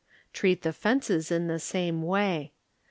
Treat the fences tn the same way.